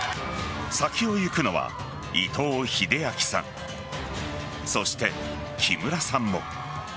先を行くのは伊藤英明さんそして、木村さんも。